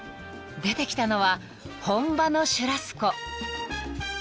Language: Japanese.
［出てきたのは本場のシュラスコ］